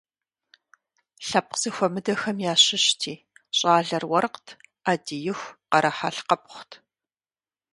Лъэпкъ зэхуэмыдэхэм ящыщти – щӏалэр уэркът, ӏэдииху къарэхьэлкъыпхъут.